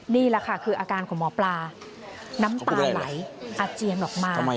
นี่แหละค่ะคืออาการของหมอปลาน้ำตาไหลอาเจียนออกมา